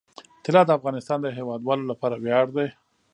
طلا د افغانستان د هیوادوالو لپاره ویاړ دی.